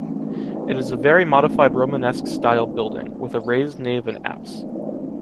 It is a very modified Romanesque-style building, with a raised nave and apse.